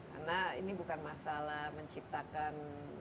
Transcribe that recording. karena ini bukan masalah menciptakan